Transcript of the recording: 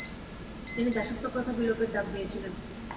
তিনি দাসত্বপ্রথা বিলোপের ডাক দিয়েছিলেন।